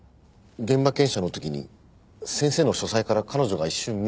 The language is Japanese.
現場検証の時に先生の書斎から彼女が一瞬見えたんです。